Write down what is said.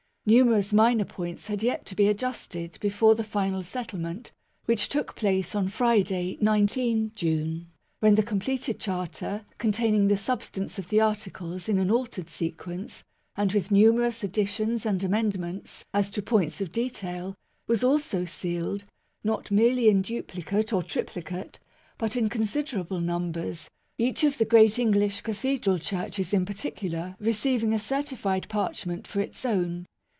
Numer ous minor points had yet to be adjusted before the final settlement, which took place on Friday, 19 June, when the completed Charter, containing the substance 6 MAGNA CARTA (1215 1915) of the Articles in an altered sequence, and with numer ous additions and amendments as to points of detail, was also sealed, not merely in duplicate or triplicate but in considerable numbers, each of the great Eng lish Cathedral churches in particular receiving a certi fied parchment for its own.